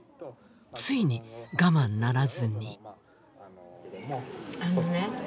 ついに我慢ならずにあのね